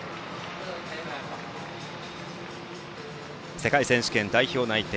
世界選手権代表内定